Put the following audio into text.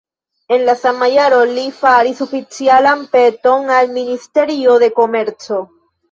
En la sama jaro li faris oficialan peton al Ministerio de Komerco.